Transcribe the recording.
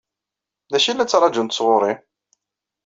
D acu i la ttṛaǧunt sɣur-i?